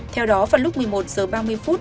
theo đó vào lúc một mươi một h ba mươi phút